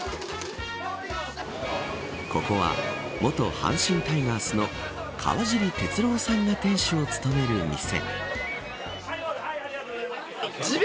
ここは、元阪神タイガースの川尻哲郎さんが店主を務める店。